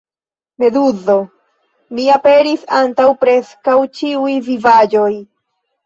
Meduzo: "Mi aperis antaŭ preskaŭ ĉiuj vivaĵoj!"